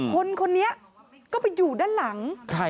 คนนี้ก็ไปอยู่ด้านหลัง